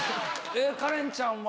カレンちゃんは？